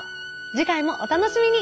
次回もお楽しみに。